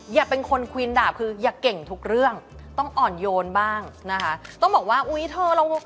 อย่าเป็นคนควีนดาบคืออย่าเก่งทุกเรื่องต้องอ่อนโยนบ้างนะคะต้องบอกว่าอุ้ยเธอเรา